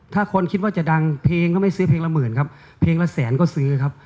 ถ้าคนคิดว่าจะดังเพลงก็ไม่ซื้อเพลงละหมื่นครับเพลงละแสนก็ซื้อครับ